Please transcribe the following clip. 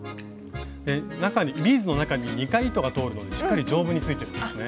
ビーズの中に２回糸が通るのでしっかり丈夫についてるんですね。